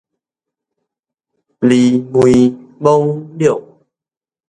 魑魅魍魎